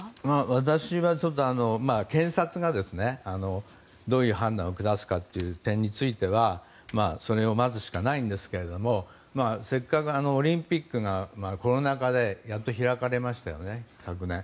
私は検察がどういう判断を下すかという点についてはそれを待つしかないんですけどせっかくオリンピックがコロナ禍でやっと開かれましたよね、昨年。